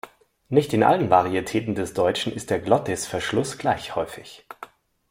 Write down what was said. Nicht in allen Varitäten des Deutschen ist der Glottisverschluss gleich häufig.